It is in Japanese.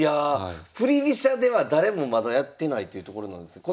振り飛車では誰もまだやってないっていうところなんですか？